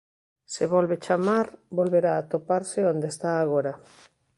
Se volve chamar volverá atoparse onde está agora.